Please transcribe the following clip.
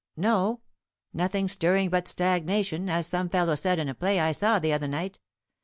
No nothing stirring but stagnation, as some fellow said in a play I saw the other night.